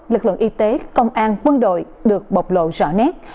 lực lượng y tế công an quân đội được bộc lộ rõ nét